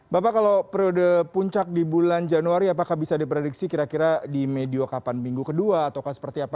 bapak kalau periode puncak di bulan januari apakah bisa diprediksi kira kira di medio kapan minggu kedua atau seperti apa